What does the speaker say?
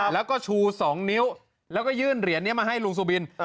แล้วก็ชู๒นิ้วแล้วก็ยื่นเหรียญนี้มาให้ลุงสุบิน